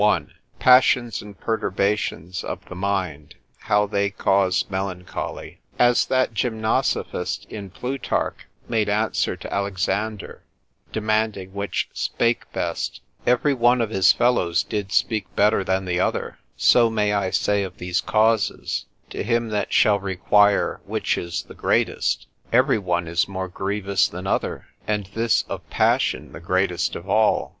I.—Passions and Perturbations of the Mind, how they cause Melancholy. As that gymnosophist in Plutarch made answer to Alexander (demanding which spake best), Every one of his fellows did speak better than the other: so may I say of these causes; to him that shall require which is the greatest, every one is more grievous than other, and this of passion the greatest of all.